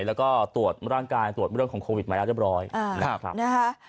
และก็ตรวจร่างกายการตรวจเมื่อเรื่องของโควิดมาแล้วเรียบร้อย